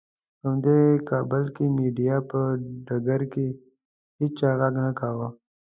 په همدې کابل کې مېډیا په ډګر کې هېچا غږ نه کاوه.